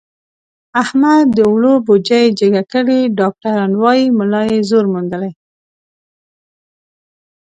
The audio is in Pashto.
احمد د اوړو بوجۍ جګه کړې، ډاکټران وایي ملا یې زور موندلی.